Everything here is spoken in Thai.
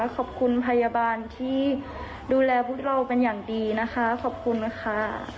ขอบคุณพยาบาลที่ดูแลพวกเราเป็นอย่างดีนะคะขอบคุณค่ะ